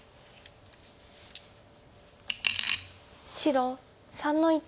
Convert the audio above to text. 白３の一。